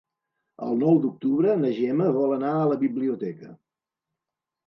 El nou d'octubre na Gemma vol anar a la biblioteca.